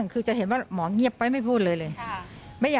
เสื้อผ้าของผู้ตาย